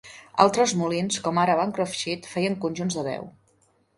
Altres molins, com ara Bancroft Shed, feien conjunts de deu.